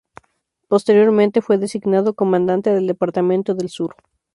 Posteriormente, fue designado comandante del Departamento del Sur.